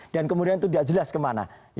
dan kemudian itu tidak jelas kemana